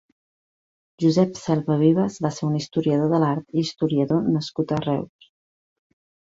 Josep Selva Vives va ser un historiador de l'art i historiador nascut a Reus.